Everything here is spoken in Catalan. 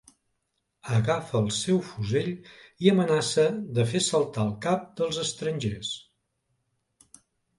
Agafa el seu fusell i amenaça de fer saltar el cap dels estrangers.